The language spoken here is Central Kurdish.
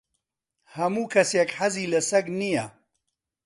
ھەموو کەسێک حەزی لە سەگ نییە.